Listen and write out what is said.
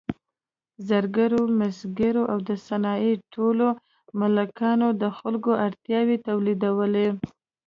زرګرو، مسګرو او د صنایعو ټولو مالکانو د خلکو اړتیاوې تولیدولې.